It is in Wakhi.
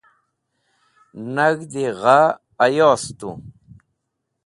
nag̃hdi gha ayos tu